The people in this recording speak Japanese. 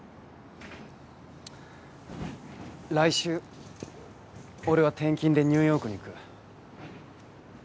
来週俺は転勤でニューヨークに行く。